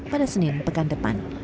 pada senin pekan depan